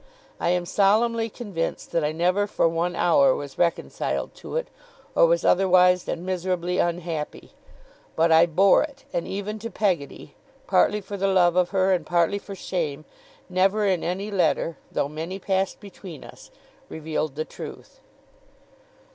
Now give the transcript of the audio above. I am solemnly convinced that I never for one hour was reconciled to it, or was otherwise than miserably unhappy; but I bore it; and even to Peggotty, partly for the love of her and partly for shame, never in any letter (though many passed between us) revealed the truth.